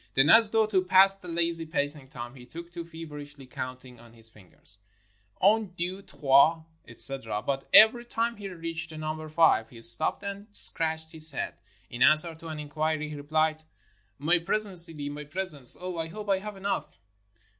Then, as though to pass the lazy pacing time, he took to feverishly counting on his fingers. *' Un, deux, trois," etc. But every time he reached the number five, he stopped and scratched his head. In an swer to an inquiry, he rephed :— "My presents, Sidi, my presents. Oh, I hope I have enough!"